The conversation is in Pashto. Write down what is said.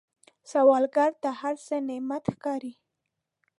سوالګر ته هر څه نعمت ښکاري